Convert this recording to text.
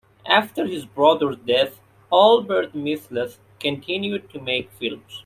After his brother's death, Albert Maysles continued to make films.